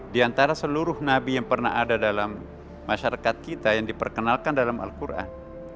di antara seluruh nabi yang pernah ada dalam masyarakat kita yang diperkenalkan dalam al quran